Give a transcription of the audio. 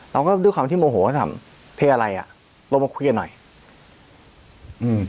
ด้วยความที่โมโหก็ถามเพศอะไรอ่ะลงมาคุยกันหน่อยอืม